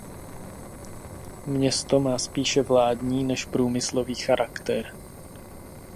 Město má spíše vládní než průmyslový charakter.